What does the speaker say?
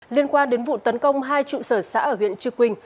liên quan đến vụ tấn công hai trụ sở xã ở huyện trư quynh